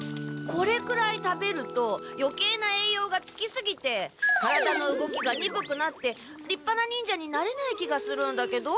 これくらい食べるとよけいなえいようがつきすぎて体の動きがにぶくなってりっぱな忍者になれない気がするんだけど。